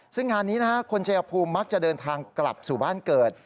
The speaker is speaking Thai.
ซึ่งงานนี้คนชายภูมิมักจะเดินทางกลับสู่บ้านเกิด